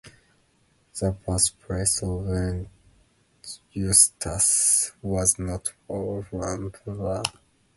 The birthplace of Eustace was not far from Boulogne.